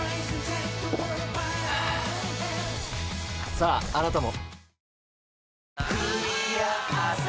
さああなたも。